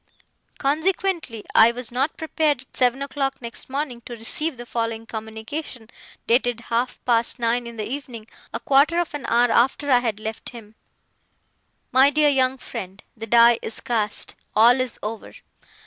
Consequently, I was not prepared, at seven o'clock next morning, to receive the following communication, dated half past nine in the evening; a quarter of an hour after I had left him: 'My DEAR YOUNG FRIEND, 'The die is cast all is over.